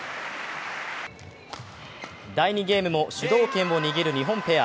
第２ゲームも主導権を握る日本ペア。